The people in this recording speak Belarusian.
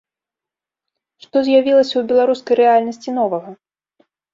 Што з'явілася ў беларускай рэальнасці новага?